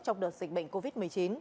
trong đợt dịch bệnh covid một mươi chín